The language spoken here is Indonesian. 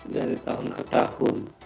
dari tahun ke tahun